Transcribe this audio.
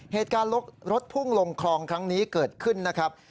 เหตุการณ์รถพุ่งลงคลองครั้งนี้เกิดขึ้นนะครับ